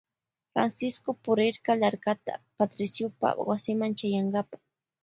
Francisco purirka larkata Patriciopa wasima chayankakama.